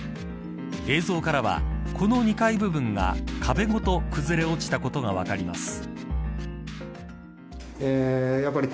映像からは、この２階部分が壁ごと崩れ落ちたことが分かります。